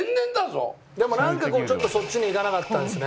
でもなんかちょっとそっちにいかなかったんですね。